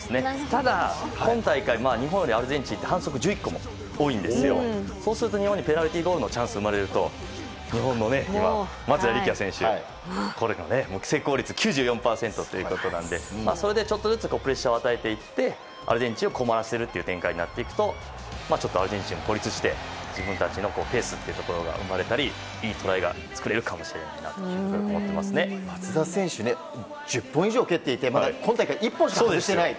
ただ、今回はアルゼンチン日本に比べて反則１１個も多いので日本にペナルティーゴールのチャンスが生まれると松田選手が成功率が９４％なのでそれでちょっとずつプレッシャーを与えていってアルゼンチンを困らせるという展開になっていくとアルゼンチンも孤立して自分たちのペースが生まれたりいいトライが松田選手１０本以上蹴っていてまだ今大会１本しか外していない。